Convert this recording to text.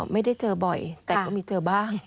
ไม่ได้เจอบ่อยแต่ก็มีเจอบ้าง